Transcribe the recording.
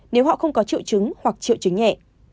nếu họ không có triệu chứng hoặc triệu chứng nhẹ